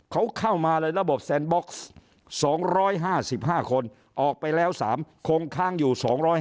เขาเข้ามาในระบบแซนบ็อกซ์๒๕๕คนออกไปแล้ว๓คงค้างอยู่๒๕๕